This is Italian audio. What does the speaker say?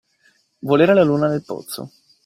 Volere la luna nel pozzo.